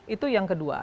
itu yang kedua